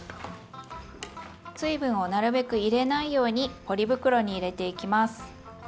水分をなるべく入れないようにポリ袋に入れていきます。